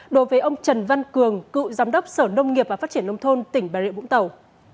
đối với ông trần văn cường cựu giám đốc sở nông nghiệp và phát triển nông thôn tỉnh bà rịa vũng tàu